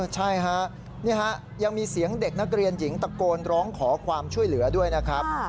ใช่ฮะนี่ฮะยังมีเสียงเด็กนักเรียนหญิงตะโกนร้องขอความช่วยเหลือด้วยนะครับ